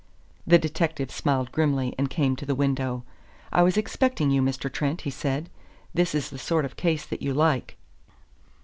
The detective smiled grimly and came to the window. "I was expecting you, Mr. Trent," he said. "This is the sort of case that you like."